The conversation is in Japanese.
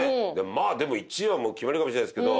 まあでも１位はもう決まりかもしれないですけど。